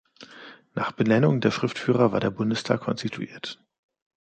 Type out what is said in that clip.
Nach der Benennung der Schriftführer war der Bundestag konstituiert.